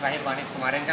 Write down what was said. pak anies terakhir